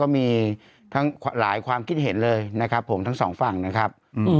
มีทั้งหลายความคิดเห็นเลยนะครับผมทั้งสองฝั่งนะครับ